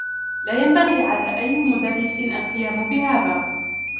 لا ينبغي على أيّ مدرّس القيام بهذا.